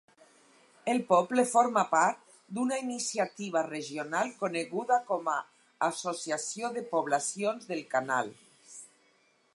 El poble forma part d'una iniciativa regional coneguda com a Associació de Poblacions del Canal.